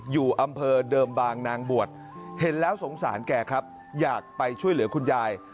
อยู่อำเภอเดิมบางนางบวชเห็นแล้วสงสารแกครับอยากไปช่วยเหลือคุณยาย